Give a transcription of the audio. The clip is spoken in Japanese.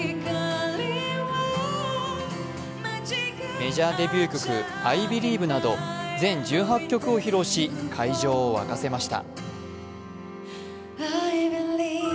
メジャーデビュー曲「Ｉｂｅｌｉｖｅ」など全１８曲を披露し会場を沸かせました。